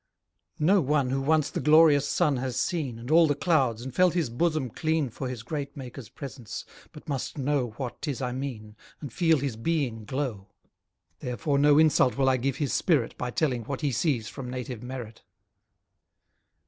No one who once the glorious sun has seen, And all the clouds, and felt his bosom clean For his great Maker's presence, but must know What 'tis I mean, and feel his being glow: Therefore no insult will I give his spirit, By telling what he sees from native merit.